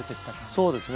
そうですね。